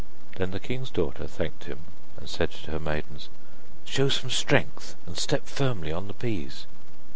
Then the king's daughter thanked him, and said to her maidens: 'Show some strength, and step firmly on the peas.